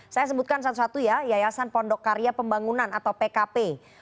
saya sebutkan satu satu ya yayasan pondok karya pembangunan atau pkp